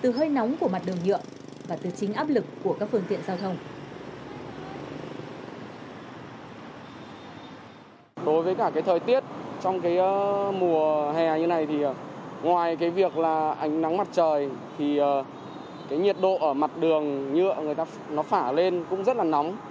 từ hơi nóng của mặt đường nhựa và từ chính áp lực của các phương tiện giao thông